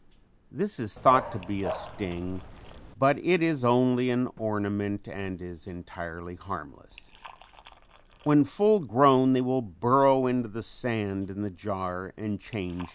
This is thought to be a sting but it is only an ornament and is entirely harmless. When full grown they will burrow into the sand in the jar and change to the pupa.